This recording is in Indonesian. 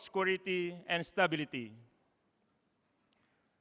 kekuatan dan stabilitas dunia